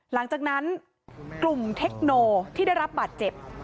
หลังจากนั้นกลุ่มเทคโนที่ได้รับบาดเจ็บ